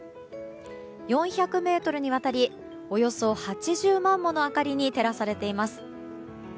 ４００ｍにわたりおよそ８０万もの明かりに照らされています。